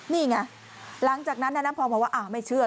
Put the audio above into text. นี่ไงหลังจากนั้นนายน้ำพองบอกว่าไม่เชื่อ